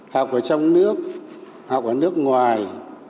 học ở trong nước học ở nước ngoài